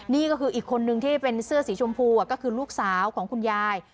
นี่ก็คืออีกคนนึงที่เป็นเสื้อสีชมพูก็คือลูกสาวของคุณยาย